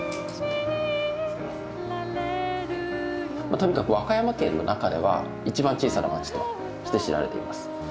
とにかく和歌山県の中では一番小さな町として知られています。